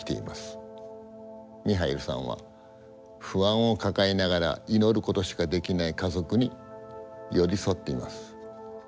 ミハイルさんは不安を抱えながら祈ることしかできない家族に寄り添っています。